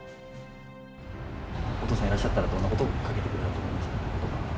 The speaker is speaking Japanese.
お父さんいらっしゃったら、どんなことばをかけてくれたと思いますか。